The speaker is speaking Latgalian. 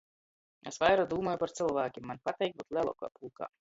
Es vaira dūmoju par cylvākim, maņ pateik byut leluokā pulkā.